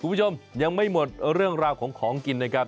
คุณผู้ชมยังไม่หมดเรื่องราวของของกินนะครับ